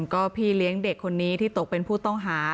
ก็พี่เลี้ยงเด็กคนนี้ที่ตกเป็นผู้ต้องหา